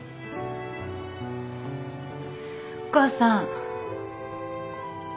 お母さん。